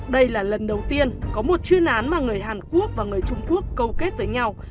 đây là lần đầu tiên có một chuyên án mà người hàn quốc và người trung quốc câu kết với nhau